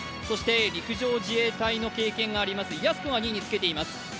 そして陸上自衛隊の経験があります、やす子が２位につけています。